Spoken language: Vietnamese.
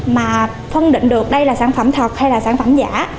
mà phân định được đây là sản phẩm thật hay là sản phẩm giả